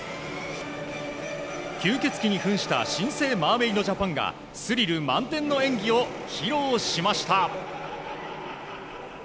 吸血鬼に扮した新生マーメイドジャパンがスリル満点の演技を披露しました。